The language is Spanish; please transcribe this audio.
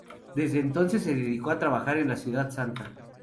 Desde entonces, se dedicó a trabajar en la Ciudad santa.